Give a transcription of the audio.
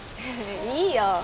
いいよ